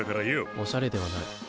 おしゃれではない。